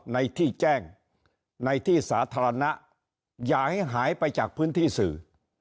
ในที่แจ้งในที่สาธารณะอย่าให้หายไปจากพื้นที่สื่อ